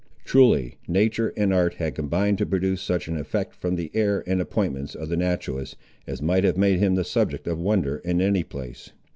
Truly, nature and art had combined to produce such an effect from the air and appointments of the naturalist, as might have made him the subject of wonder in any place.